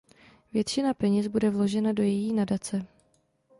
Většina peněz bude vložena do její nadace.